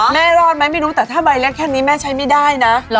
แม่รอดไม่รู้แต่ถ้าใบแรกแหลงนี้แม่ใช้ไม่ได้นะ